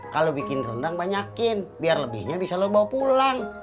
kalau bikin rendang banyakin biar lebihnya bisa lo bawa pulang